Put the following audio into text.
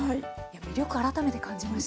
魅力を改めて感じました。